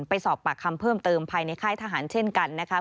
ไปสอบปากคำเพิ่มเติมภายในค่ายทหารเช่นกันนะคะ